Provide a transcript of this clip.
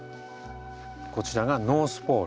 こちらがノースポール。